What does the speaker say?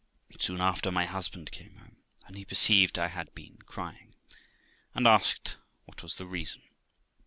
Soon after, my husband came home, and he perceived I had been crying, and asked what was the reason.